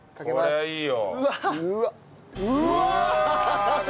これはいい！